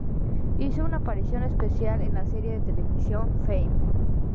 Hizo una aparición especial en la serie de televisión "Fame".